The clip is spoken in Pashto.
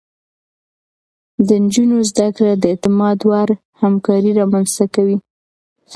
د نجونو زده کړه د اعتماد وړ همکاري رامنځته کوي.